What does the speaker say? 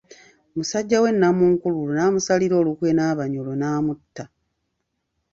Musajja we Nnamunkululu n'amusalira olukwe n'Abanyoro n'amutta.